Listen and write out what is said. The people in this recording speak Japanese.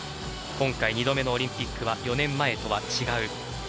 今回２度目のオリンピックは４年前とは違う。